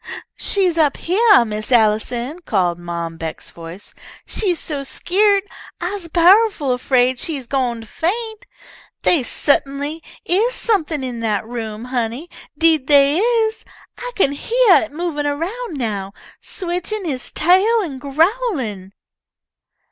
"She's up heah, Miss Allison," called Mom Beck's voice. "She's so skeered, I'se pow'ful 'fraid she gwine to faint. They sut'nly is something in that room, honey, deed they is. I kin heah it movin' around now, switchin' he's tail an' growlin'!"